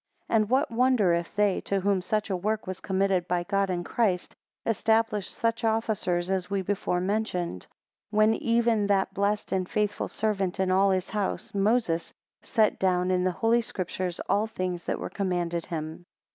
7 And what wonder if they, to whom such a work was committed by God in Christ, established such officers as we before mentioned; when even that blessed and faithful servant in all his house, Moses, set down in the Holy Scriptures all things that were commanded him.